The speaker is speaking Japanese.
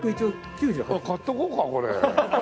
買っておこうかこれ。